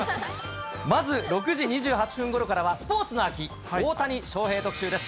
まず６時２８分ごろからは、スポーツの秋、大谷翔平特集です。